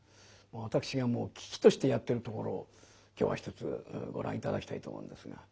私がもう喜々としてやってるところを今日はひとつご覧頂きたいと思うんですが。